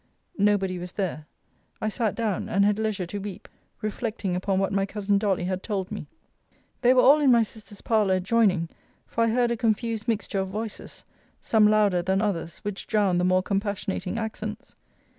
Nobody was there. I sat down, and had leisure to weep; reflecting upon what my cousin Dolly had told me. They were all in my sister's parlour adjoining: for I heard a confused mixture of voices, some louder than others, which drowned the more compassionating accents.